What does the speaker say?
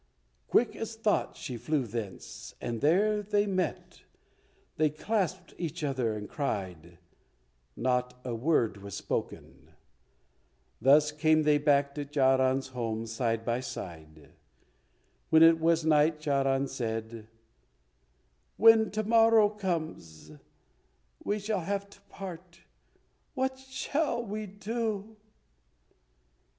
Quick as thought she flew thence, and there they met. They clasped each other and cried, not a word was spoken. Thus came they back to Charan's home side by side. When it was night Charan said, "When to morrow comes we shall have to part. What shall we do?"